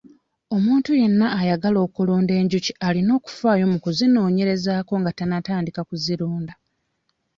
Omuntu yenna ayagala okulunda enjuki alina okufaayo mu kuzinoonyerezaako nga tannatandika kuzirunda.